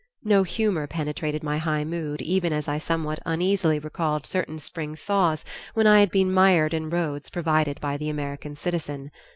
No humor penetrated my high mood even as I somewhat uneasily recalled certain spring thaws when I had been mired in roads provided by the American citizen.